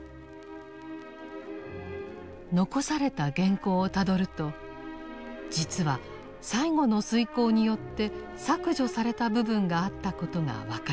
残された原稿をたどると実は最後の推敲によって削除された部分があったことが分かります。